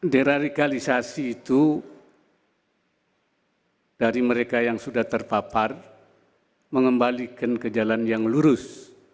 deradikalisasi itu dari mereka yang sudah terpapar mengembalikan ke jalan yang lurus